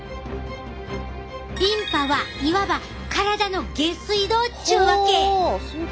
リンパはいわば体の下水道っちゅうわけ！